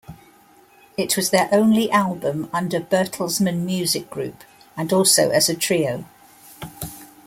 It was their only album under Bertelsmann Music Group, and also as a trio.